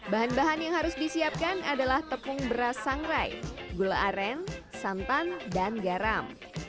bahan bahan yang harus disiapkan adalah tepung beras sangrai gula aren santan dan garam